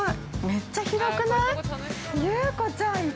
めっちゃ広くない？